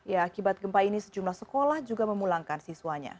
ya akibat gempa ini sejumlah sekolah juga memulangkan siswanya